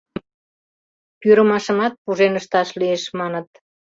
— Пӱрымашымат пужен ышташ лиеш, маныт.